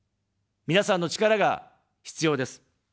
皆さんの力が必要です。